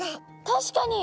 確かに！